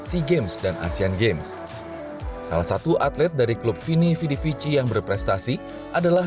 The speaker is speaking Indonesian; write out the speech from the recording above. sea games dan asean games salah satu atlet dari klub vini fidi fiji yang berprestasi adalah